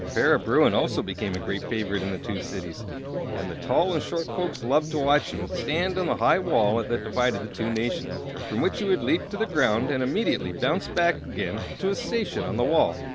Para Bruin also became a great favorite in the two cities, and the tall and short folks loved to watch him stand upon the high wall that divided the two nations, from which he would leap to the ground and immediately bound back again to his station on the wall.